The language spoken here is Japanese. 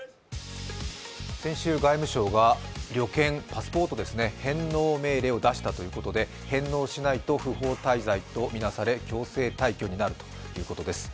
先週、外務省が旅券、パスポートの返納命令を出したということで返納しないと不法滞在とみなされ強制退去になるということです。